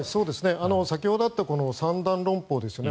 先ほどあった三段論法ですよね。